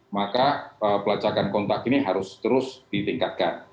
maka pelacakan kontak ini harus terus ditingkatkan